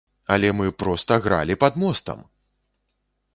Але мы проста гралі пад мостам!